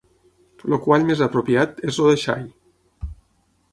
El quall més apropiat és el de xai.